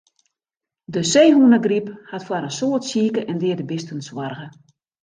De seehûnegryp hat foar in soad sike en deade bisten soarge.